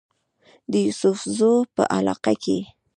د يوسفزو پۀ علاقه کې